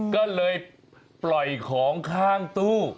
ก็เลยปล่อยของข้างตู้